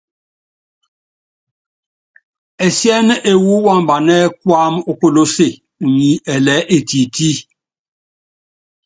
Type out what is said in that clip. Ɛsíɛ́nɛ́ ewú wambanɛ́ kuáma ókolóse, unyi ɛlɛɛ́ etití.